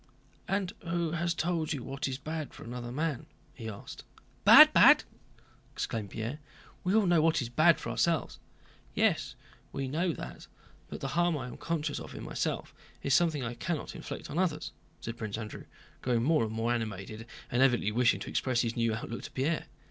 "And who has told you what is bad for another man?" he asked. "Bad! Bad!" exclaimed Pierre. "We all know what is bad for ourselves." "Yes, we know that, but the harm I am conscious of in myself is something I cannot inflict on others," said Prince Andrew, growing more and more animated and evidently wishing to express his new outlook to Pierre.